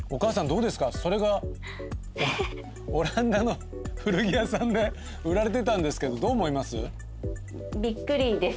それがオランダの古着屋さんで売られてたんですけどどう思います？